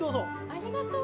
ありがとう。